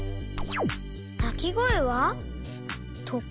「なきごえは？」とか？